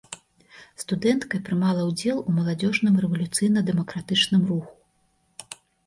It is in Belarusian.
Студэнткай прымала ўдзел у маладзёжным рэвалюцыйна-дэмакратычным руху.